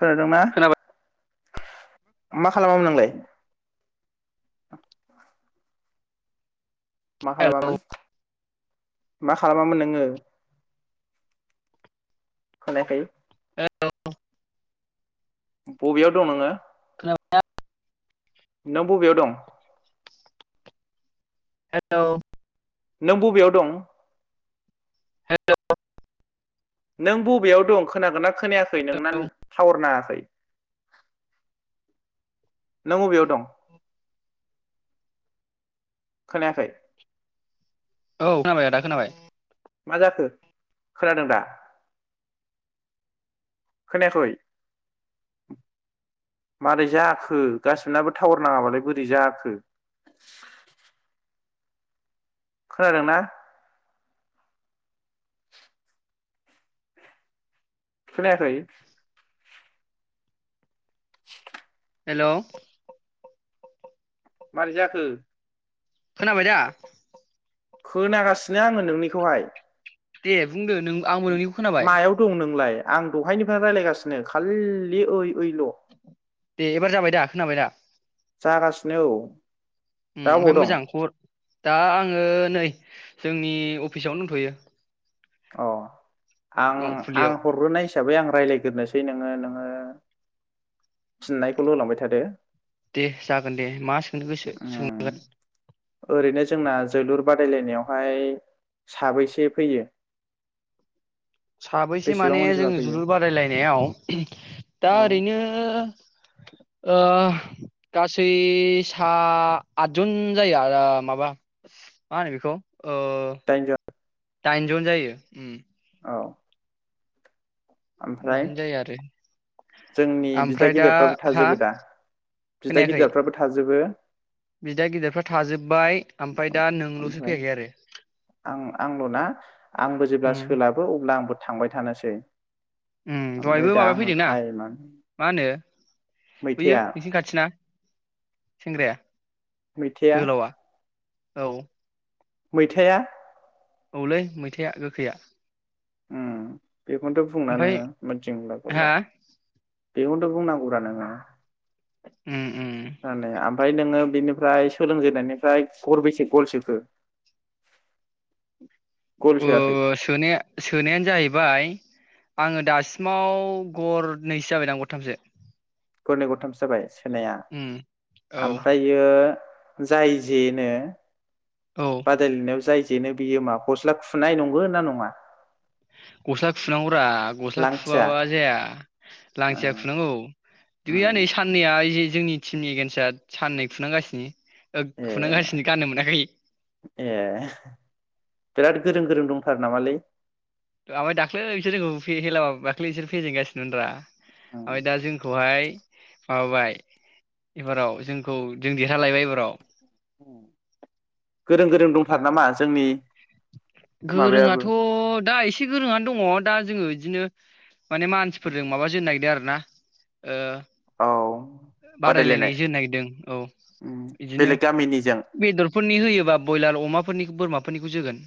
खोनादोंना खोनाबाय मा खालामामोन नोंलाय [inaudible] मा हेलौ खालामामोन मा खालामामोन नोङो खोनायाखै हेलौ बबेयाव दं नोङो खोनाबाय ना नों बबेयाव दं हेलौ नों बबेयाव दं हेलौ नों बबेयाव दं खोनागोना खोनायाखै नोंना हेलौ थावर नाङा नों अबेयाव दं खोनायाखै औ खोनाबाय आदा खोनाबाय मा जाखो खोनादों दा खोनायाखै मारै जाखो गासिबोनाबो टावार नाङाबालाय बोरै जाखो खोनादोंना खोनायाखै [inaudible] हेलौ मारै जाखो खोनाबाय दा खोनागासिनो आङो नोंनिखौहाय दे बुंदो नों आंबो नोंनिखौ खोनाबाय मायाव दं नोंलाय आं दहायनिफ्राय रायज्लायगासिनो खालि ओइ-ओइल दे एबार जाबाय दा खोनाबाय दा जागासिनो औ दा अबाव ओम-ओमफाय दं मोजां खबर दा आङो नै जोंनि अफिसावनो दंथयो अ आं मावखुलियाव आं हरग्रोनाय हिसाबै आं रायज्लाय गोरनोसै नोङो नोङो फिननायखौल होलांबाय थादो दे जागोन दे मा सोंनो गोसो ओम सोंजागोन ओरैनो जोंना जोलुर बाद बादायलाय नायावहाय साबैसे फैयो साबैसे बेसेबां माने जों अनजिमा फैयो जोलुर बादायलायनायाव दा औ ओरैनो गासै सा आतजन जायो आरो माबा मा होनो बेखौ ओ दाइनजन दाइनजन जायो ओम औ ओमफ्राय जायो आरो जोंनि बिदा ओमफ्राय दा गिदिरफ्राबो हा थाजोबो दा बिदा खोनायाखै गिदिरफ्राबो थाजोबो बिदा गिदिरफ्रा थाजोब्बाय ओमफ्राय दा नोंल'सो ओमफ्राय फैयाखै आरो आं आंल ना आंबो जेब्ला उम सोलाबो अब्ला आंबो थांबाय थानोसै। चम ओमफ्राय दहायबो दा माबा आंनो फैदोंना टाइमा मा होनो बैयो मैथाया नोंसिनि खाथिना। सेंग्राया मैथाया। जोहोलावा औ मैथाया। औलै मैथाया गोखैया। उम बेखौनथ बुंना ओमफ्राय नोङो मिथिं गोलाव हा गोलाव बेखौनोथ बुंनांगौब्रा नोङो। उम उम [unintelligible] ओमफ्राय नोङो बिनिफ्राय सोलों जेननायनिफ्राय गरबेसे गल सोखो? गल सोआखै अ सोनाया सोनायानो जाहैबाय। आङो दासिमाव गरनैसो जाबायदां गरथामसो गरनै गरथामसो जाबाय सो सोनाया उम औ ओमफ्रायो जाय जेनो औ बादायलायनायाव जाय जे जेनो बियो‌ मा गस्ला खुनाय नंगौ ना नङा। गस्ला खुनांगौरा गस्ला लांथिया खुआबा जाया ओ लांथिया खुनांगौ उम गैया नै साननैया जि जोंनि टिमनि एगेन्स्टआ साननै खुनां गासिनो। ए ए बिराद गोरों गोरों दं। थार नामालै? ओमफ्राय दाख्लै बिसोर जोंखौ हेलाबाब दाख्लै बिसोर फेजेनगासिनोब्रा। उम ओमफाय दा जोंखौ खौहाय माबाबाय एबाराव जोंखौ जों देरहालायबाय एबाराव। [inaudible] गोरों गोरों हा, दंथार नामा जोंनि माबायाबो गोरोङाथ दा एसे एसे गोरोंनो दङ दा जोङो बिदिनो माने मानसिफोरजों माबा जेन नागिरदों आरो ना। ओ औ बादायलायनाय जोनो नागिरदों औ उम बिदिनो बेलेग गामिनिजों बेदरफोरनि होयोबा ब्रयलार अमा फोरनि बोरमाफोरनिखौ जोगोन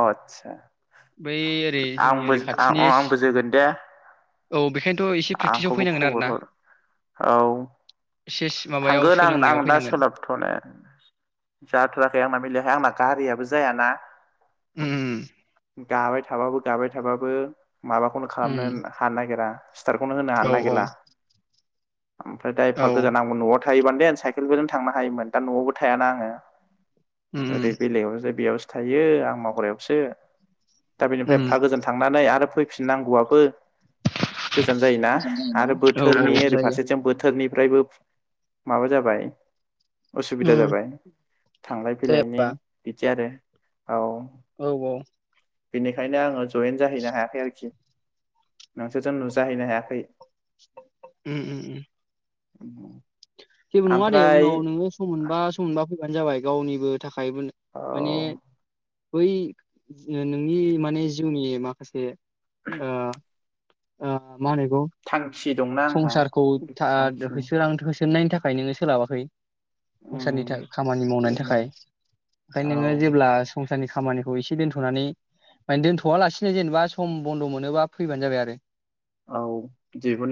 अ आटसा बै ओरै जोंनि आंबो ओरै खाथिनि आ-आ-आंबो जोगोन दे औ बेखायनोथ' एसे प्रेक्टिसाव आंखौबो फैनांगोन आरो खबर ना हर औ एसे माबायाव थांगोन आं आं सोलोंनायाव दा फैनांगोन सोलाबथ' ने जाथाराखै आंना बेलेग आंना गारियाबो जायाना उम उम । गाबाय थाबाबो गाबाय थाबाबो माबाखौनो खालामनो उम हानो नागिरा सिथारखौनो होनो हानो औ औ नागिरला ओमफ्राय एफा औ गोजानावमोन न'आ थायोबानदे साइकेलबोजों थांनो हायोमोन दा न'आवबो थायाना आङो उम ओरै उम बेलेगआवनोस बेयाव थायो आं मावग्रायावसो दा बेनिफ्राय उम एफा गोजोन थांनानै आरो फैफिननांगौआबो गोजान जायोना आरो औ बोथोरनि औ ओरै जायो फारसेथिं बोथोर [unintelligible] नि ओमफ्रायबो माबा जाबाय उसुबिदा उम जाबाय थांलाय फैलायनि जायाबा बिदि आरो औ । औ औ । बेनिखायनो आङो जयेन जाहैनो हायाखै आरोखि नोंसोर जों नुजाहैनो हायाखै उम उम उम । [unintelligible] जेबो नङा दे ओमफ्राय उनाव नोङो सम मोनबा सम‌ मोनबा फै बानो जाबाय गावनिबो थाखाय [unintelligible] औ माने बै नोंनि माने जिउनि माखासे ओ [unintelligible] ओ मा होनो बेखौ थांखि दंना आंहा संसारखौ [unintelligible] [unintelligible] थांखि थाखाय नोङो सोलाबाखै उम संसारनि थाखाय खामानि मावनायनि बेनो थाखाय ओंखायनो औ नोङो जेब्ला संसार [unintelligible] खामानिखौ एसे दोनथनानै माने दोनथआलासिनो जेनेबा सम बन्द मोनोबा फैबानो जाबाय आरो औ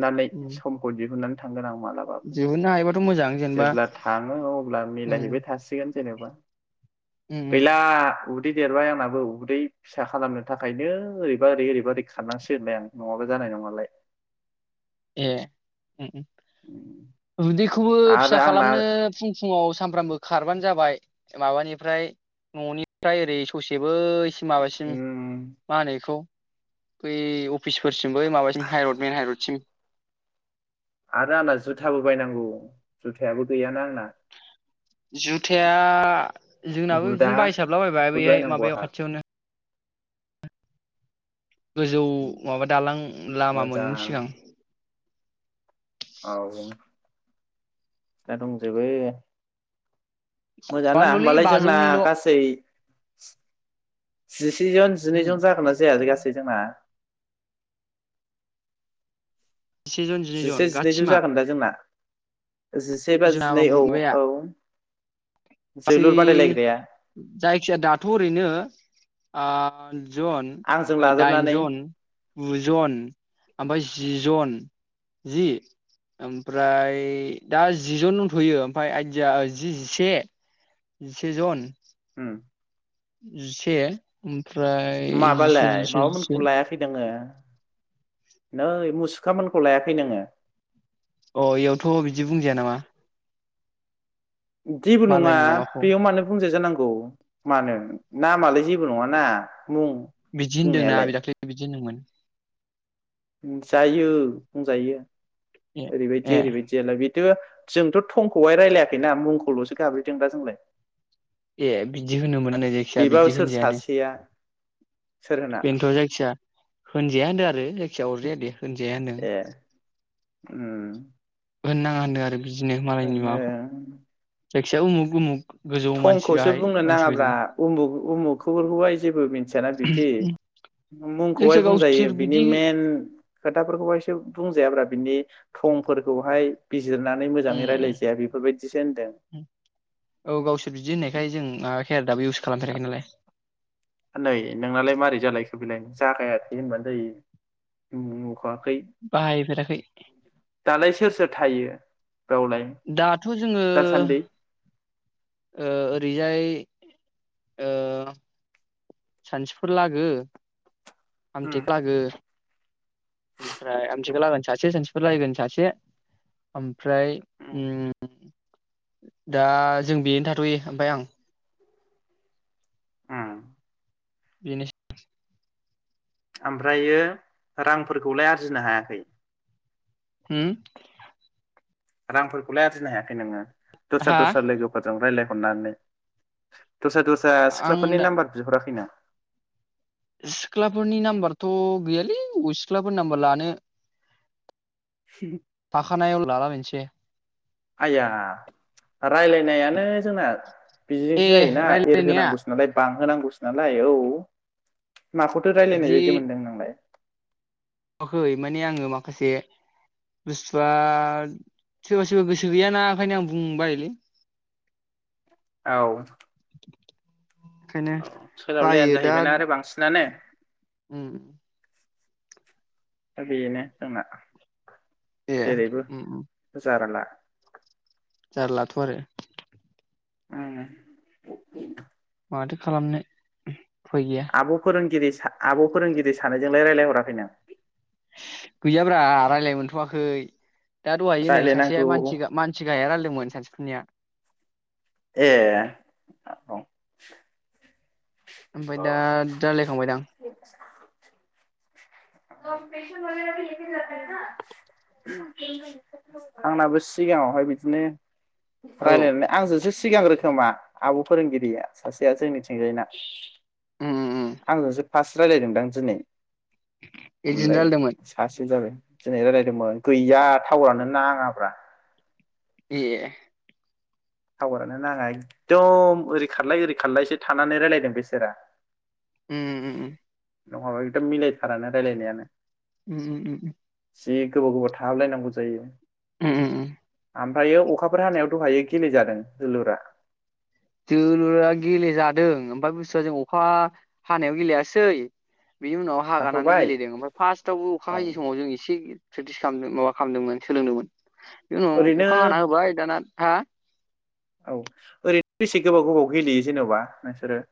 [unintelligible] उम समखौ दिहुननानै थांगोन आं मालाबो दिहुननो हायोबाथ' मोजां जेनेबा जेब्ला थाङो अब्ला उम मिलायहैबाय थासिगोन जेनेबा उम उम गैला उदै देरबाय आंनाबो उदै फिसा खालामनो थाखायनो ओरैबा ओरै ओरैबा ओरै खारनांसिगोनलाय आं नङाबा जानाय नङालाय ए [unintelligible] [unintelligible] खौबो आरो फिसा आंना खालामनो फुं फुङाव सामफ्रामबो खारबानो जाबाय माबानिफ्राय ननिफ्राय ओरै ससे बै सिम माबासिम उम मा होनो बेखौ बै अफिसफोरसिम बै माबासिम हाइरड मेन हाइरड सिम आरो आंना जुथाबो बायनांगौ जुथायाबो गैयाना आंना जुथाया जोंनाबो बुटआ बिदिनो बायसाबलाबाय बुट बैहाय बायनांगौ माबायाव आंहा खाथियावनो। गोजौ माबा दालां लामा मोननि मोजां सिगां औ दा दंजोबो मोजां ना माबाल'लै होमबालाय जोंना बाजौनिल' गासै [unintelligible] जिनैजन उम जिनैजन जागोन ना जायालै गासै जोंना? जिसे जन जिनै जन जिसे जिनैजौ गासिमा जागोन दा जोंना? जिसे बा जोंना जिनै औ माबाया औ गासै जोलुर बादायलायग्राया जायखिाया दा ओरैनो आ जन आंजों लाजाबनानै दाइनजन गुजन ओमफ्राय जि जन जि ओमफ्राय दा जिजन दंथयो ओमफ्राय आइदिया जि जिसे जिसे जन [inaudible] जिसे ओमफ्राय जिसे माबालाय जिसे जिसे माबाफोरखौ लायाखै नोङो नै मुसुखामोनखौ लायाखै नोङो? अ इयावथ' बिदि बुंजाया नामा? जेबो नङा मालायनि माबाखौ बेयाव मानो बुंजाय जानांगौ मानो नामालाय जेबो नङा ना बिदि होन्दोंना आ दाख्लै बिदि होन्दोंमोन। जायो बुंजायो। ए ओरै बादि ए ओरै बादि आरोना बेथ जोंथ थंखौहाय रायलायाखैना मुंखौल'सो गाबज्रिदों दा जोंलाय। ए बिदि होनो मोनानो जायखिया बेबा बिदि सोर होनजायानो। सासेया सोर होना बेनोथ' जायखिजया होनजाया होनदों आ रो जायखिया अरजाया दे होनजाया होनदों। ए उम होननाङा होनदों आरो बिदिनो मालायनि माबाखौ जाखि जाया मुख मुख थंखौसो बुंनो नाङाब्रा उमु उमुखफोरखौहाय जेबो मिथियाना बिदि, मुंखौहाय जायखिया बुंजायो गावसोर बिनि बिदि मेन खोथाफोरखौहायसो बुंजायाब्रा बिनि थंफोरखौहाय बि जिरनानै मोजाङै उम रायलायजाया बेफोरबायदिसो होनदों। उम औ गावसोर बिदि होन्नायखाय जों माबायखै आ दाबो इउस खालामथाराखै नालाय। नै नोंनालाय मारै जालायखो बेलाय जागाय थै होनबानो जायो नखर बाहायफेराखै दालाय सोर सोर थायो? बेयावलाय दाथ' जोङो [inaudible] दासान्दि ओ ओरैजाय ओ [inaudible] सानसुफोर लागो उम [unintelligible] लागो ओमफ्राय आमथिखा लागोन सासे सानथिफुर लागोन सासे, ओमफ्राय उम, दा जों बेनो थाथ'यो ओमफ्राय आं [inaudible] उम बिनो [unintelligible] ओमफ्रायो रांफोरखौलाय आरजिनो हायाखै? होम रांफोरखौलाय आरजिनो हायाखै नोङो? दस्रा हा दस्रा लोगोफोर जों रायलाय अननानै दस्रा दस्रा आं सिख्लाफोरनि दा नाम्बार बिहराखै नों? सिख्लाफोरनि नाम्बारथ' गैयालै अबे सिख्लाफोरनि नाम्बार लानो। [unintelligible] थाखानायाव लाला बायनोसै आया रायलायनायानो जोंना बिदि ए जोंसो जायोना एरहो रायलायनाया नांगौसो नालाय बांहो नांगौ [unintelligible] नालाय औ माखौथो रायलायनाय बायदि मोनदों नोंलाय? [unintelligible] खै माने आङो माखासे बुस्थुआ सोरबा सोरबा गोसो गैयाना ओंखायनो आं बुंनो बायोलै । औ ओंखायनो औ सोलाबलायानो बायो दा जाहैबायना आरो बांसिनानो - उम दा बेनो जोंना ए जेरैबो उम उम जारला जारलाथ' आरो उम माथो खालामनो उफाय गैया आब' फोरोंगिरि स आब' फोरोंगिरि सानैजोंलाय रायलायहराखै नों? गैयाब्रा रायलाय मोनथ'वाखै । दा दहाय नै सासेया रायलायनांगौ मानसि गा मानसि गाहाया रायलायदोंमोन सानथिफुरनिया ए [unintelligible] ओमफाय दा रालाय खांबायदां आंनाबो सिगाङावहाय बिदिनो औ रायलायनानै आंजोंसो सि सिगां रोखोमा आब' फोरोंगिरिया सासेया जोंनिथिंजायना उम उम आं जोंसो फास रायलायदोंदां दिनै बिदिनो ओमफ्राय रायलायदोंमोन सासे जाबाय दिनै रायलायदोंमोन गैया टावारानो नाङाब्रा । ए टावारानो नाङा एकदम ओरै खारलाय ओरै खारलायसो थानानै रायलायदों बेसोरा। उम उम उम उम नङाबा एदम मिलायथारानो रायलायनायानो उम उम उम उम जि गोबाव गोबाव थाहाब लायनांगौ जायो । ओम ओम ओम ओमफ्रायो अखाफोर हानायाव दहायो गेले जादों जोलुरा? जोलुरा गेलेजादों ओमफ्राय बुस्थुआ जों अखा हानायाव गेलेयासै बिनि उनाव हागानानै थाथ'बाय गेलेदों ओमफ्राय फार्स्टआवबो अखा हायै समाव जों एसे प्रेक्टिस खालामदों माबा खालामदोंमोन सोलोंदोंमोन बिनिउनाव ओरैनो अखा हाना होबाय दाना हा औ ओरैनो बेसे गोबाव गोबाव गेलेयो जेनबा नोंसोरो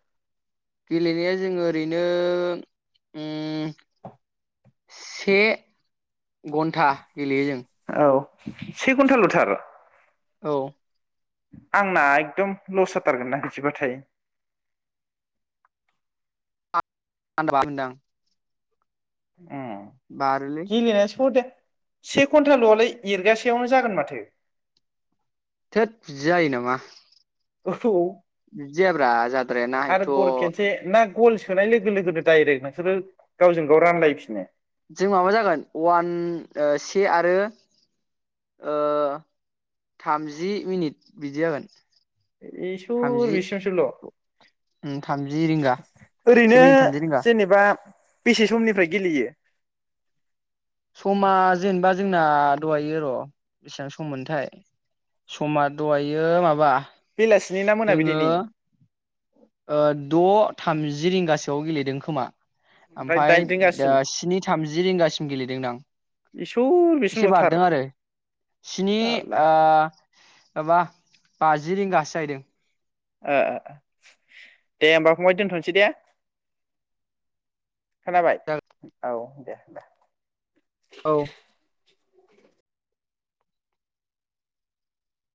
गेलेनाया जोङो ओरैनो ओम से घन्टा गेलेयो जों ओ से घन्टालथार औ आंना एकदम लस जाथारगोन ना बिदिबाथाय [unintelligible] ओम बारोलै गेलेनायास [unintelligible] से घन्टालआलाय एरगासेयावनो जागोन माथो थोथ बिदि जायो नामा औ बिदिजायाब्रा जाद्रायानाएथ खल सोनाय लोगो लोगोनो डाइरेक्ट नोंसोरो गावजों गाव रानलायफिनो जों माबा जागोन वान ओ से आरो ओ थामजि मिनिट बिदि जागोन इसर थामजि बेसिमसोल उम थामजि रिंगा से ओरैनो मिनिट थामजि रिंगा जेनेबा बेसे समनिफ्राय गेलेयो समा जेनेबा जोंना दहायो र बेसेबां सम मोनथाय समा दहायो माबा बेलासिनि ना जोङो मोनाबिलिनि ओ द थामजि रिंगासोआव गेलेदों खोमा ओमफ्राय ओमफाय दाइन दा रिंगासिम स्नि थामजि रिंगासिम गेलेदों नां [unintelligible] एसे बिसिमल'थार बारदों आरो स्नि जारला ओ माबा बाजि रिंगासो जाहैदों ओ दे होमबा फंबाय दोनथसै दे खोनाबाय जाहैदों औ दे दे औ